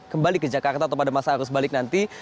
kembali ke jakarta atau pada masa arus balik nanti